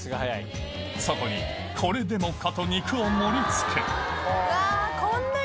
そこにこれでもかと肉を盛り付けうわっ